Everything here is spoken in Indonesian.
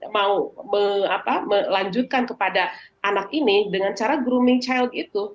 mau melanjutkan kepada anak ini dengan cara grooming child itu